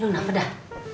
lu ngapain dah